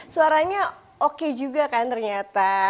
suaranya oke juga kan ternyata